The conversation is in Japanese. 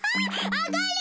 あがり！